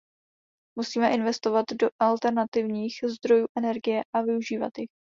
Musíme ínvestovat do alternativních zdrojů energie a využívat jich.